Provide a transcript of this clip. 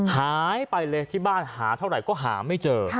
หายไปเลยที่บ้านหาเท่าไหร่ก็หาไม่เจอ